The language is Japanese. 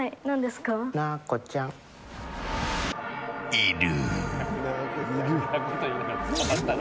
いる。